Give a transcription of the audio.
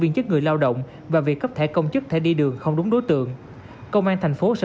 viên chức người lao động và việc cấp thẻ công chức thẻ đi đường không đúng đối tượng công an thành phố sẽ